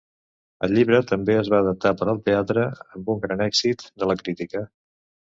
El llibre també es va adaptar per al teatre, amb un gran èxit de la crítica.